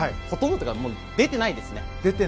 ほとんどというか出ていないですね。